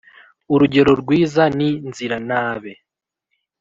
urugero rwiza ni nzira n’abe